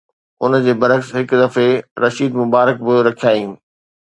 ان جي برعڪس، هڪ دفعي رشيد مبارڪ به رکيائين